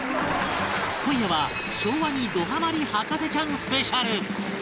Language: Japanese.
今夜は昭和にどハマり博士ちゃんスペシャル